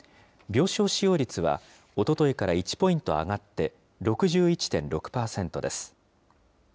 病床使用率は、おとといから１ポイント上がって、６１．６％です。